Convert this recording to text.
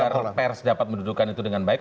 agar pers dapat mendudukan itu dengan baik